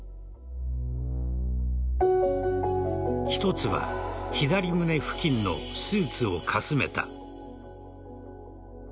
１つは左胸付近のスーツをかすめた。